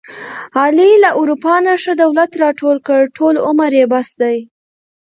علي له اروپا نه ښه دولت راټول کړ، ټول عمر یې بس دی.